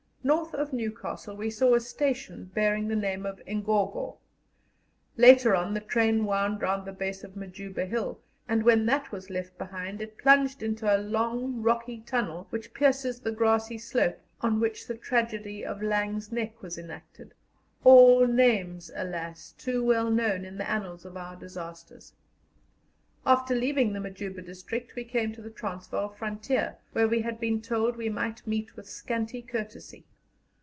North of Newcastle we saw a station bearing the name of Ingogo; later on the train wound round the base of Majuba Hill, and when that was felt behind it plunged into a long rocky tunnel which pierces the grassy slope on which the tragedy of Laing's Nek was enacted all names, alas! too well known in the annals of our disasters. After leaving the Majuba district, we came to the Transvaal frontier, where we had been told we might meet with scanty courtesy.